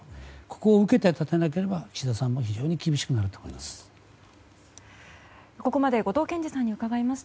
ここを受けて立たなければ岸田さんも非常に厳しくなると思います。